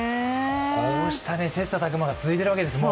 こうした切磋琢磨が続いているわけです。